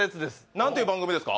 何ていう番組ですか？